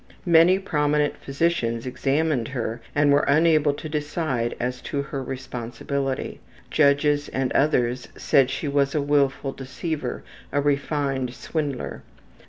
Many prominent physicians examined her and were unable to decide as to her responsibility; judges and others said she was a willful deceiver, a refined swindler.